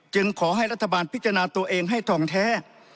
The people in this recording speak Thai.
ขอให้รัฐบาลพิจารณาตัวเองให้ทองแท้